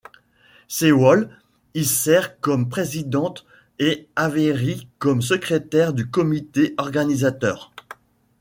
Sewall y sert comme présidente et Avery comme secrétaire du comité organisateur.